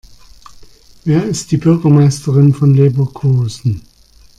Wer ist die Bürgermeisterin von Leverkusen?